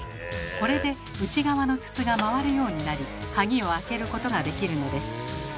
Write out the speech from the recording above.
これで内側の筒が回るようになり鍵を開けることができるのです。